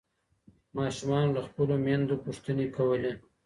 ماشومانو له خپلو میندو پوښتني کولي.